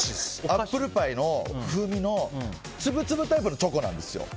アップルパイの風味の粒々タイプのチョコなんですよ。